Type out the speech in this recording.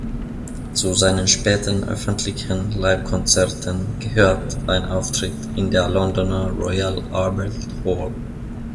Zu seinen späten öffentlichen Live-Konzerten gehört ein Auftritt in der Londoner Royal Albert Hall.